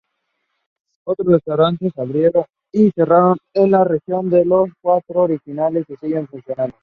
Otros restaurantes abrieron y cerraron en la región, pero los cuatro originales siguen funcionando.